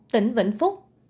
một tỉnh vĩnh phúc